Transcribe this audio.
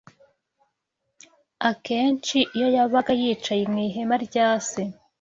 Akenshi iyo yabaga yicaye mu ihema rya se